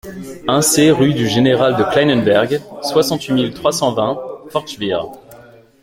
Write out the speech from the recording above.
un C rue du Général de Kleinenberg, soixante-huit mille trois cent vingt Fortschwihr